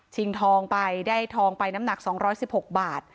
ทองไปได้ทองไปน้ำหนัก๒๑๖บาท